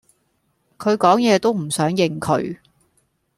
佢講野都唔想應佢